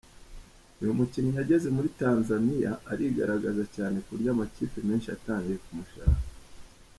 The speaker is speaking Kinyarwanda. Uyu mukinnyi yageze muri Tanzania arigaragaza cyane ku buryo amakipe menshi yatangiye kumushakisha.